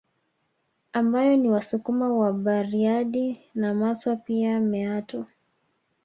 Ambayo ni Wasukuma wa Bariadi na Maswa pia Meatu